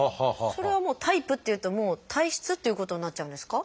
それはもうタイプっていうと体質っていうことになっちゃうんですか？